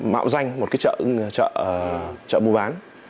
mạo danh một cái chợ mua bán